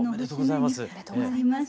おめでとうございます。